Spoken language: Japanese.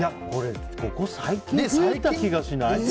ここ最近増えた気がしない？